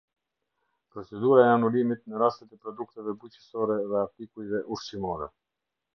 Procedura e anulimit në rastet e produkteve bujqësore dhe artikujve ushqimorë.